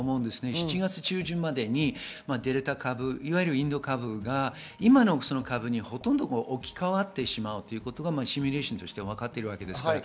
７月中旬までにデルタ株、インド株が今の株にほとんど置き変わってしまうということがシミュレーションでわかっています。